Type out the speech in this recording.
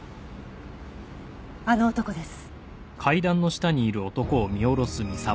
あの男です。